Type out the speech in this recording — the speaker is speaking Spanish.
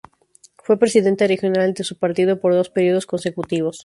Fue presidenta regional de su partido por dos periodos consecutivos.